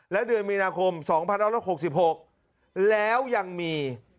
และเดือนมีนาคม๒๑๖๖แล้วยังมี